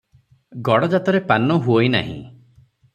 ଗଡ଼ଜାତରେ ପାନ ହୁଅଇ ନାହିଁ ।